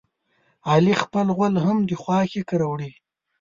علي خپل غول هم د خواښې کره وړي.